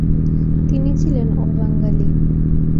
তিনি ছিলেন অবাঙালি।